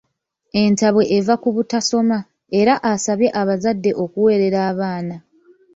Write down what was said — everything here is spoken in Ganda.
Entabwe eva ku butasoma, era asabye abazadde okuweerera abaana.